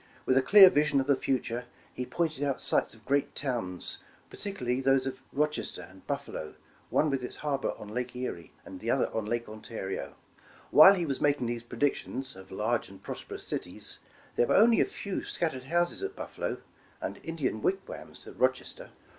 With a clear vision of the future, he pointed out sites of great towns, particularly those of Rochester and Buffalo, one with its harbor on Lake Erie, and the other on Lake Ontario. While he was making these predictions of large and prosperous cities, there were only a few scattered houses at Buffalo, and Indian wigwams at Rochester.